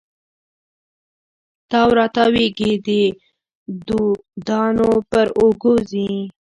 تاو را تاویږې د دودانو پر اوږو ځي